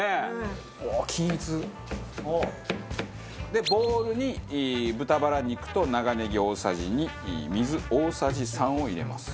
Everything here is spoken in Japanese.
でボウルに豚バラ肉と長ネギ大さじ２水大さじ３を入れます。